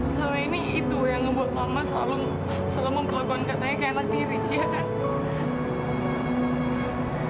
selama ini itu yang ngebuat mama selalu memperlakukan katanya kayak anak tiri ya kan